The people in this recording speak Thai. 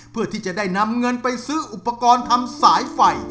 เพื่อที่จะได้นำเงินไปซื้ออุปกรณ์ทำสายไฟ